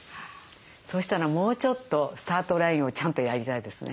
そうしたらもうちょっとスタートラインをちゃんとやりたいですね。